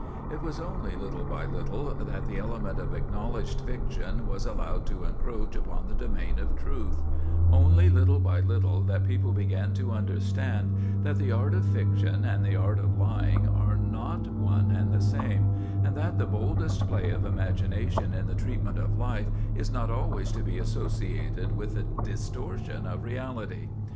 It was only little by little that the element of acknowledged fiction was allowed to encroach upon the domain of truth; only little by little that people began to understand that the art of fiction and the art of lying are not one and the same, and that the boldest play of imagination in the treatment of life is not always to be associated with the distortion of reality.